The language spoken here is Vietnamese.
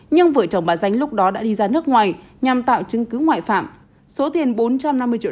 nhưng vợ chồng bà ránh lúc đó đã đi ra nước ngoài nhằm tạo chứng cứ ngoại phạm số tiền bốn trăm năm mươi triệu